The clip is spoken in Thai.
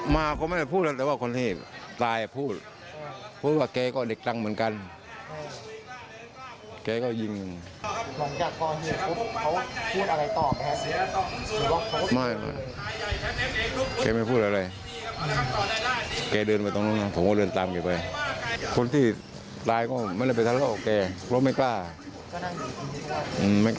ไม่มีใครกล้าทะเลาะกับเก๋หรอกไม่มีบุคคลสอดเลย